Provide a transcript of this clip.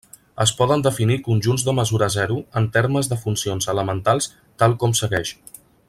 Es poden definir conjunts de mesura zero en termes de funcions elementals tal com segueix.